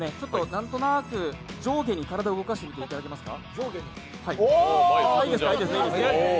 なんとなく上下に体を動かしていただけますか。